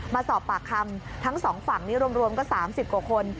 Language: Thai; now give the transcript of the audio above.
มาสอบปากคำทั้งสองฝั่งนี้รวมก็๓๐กว่าคน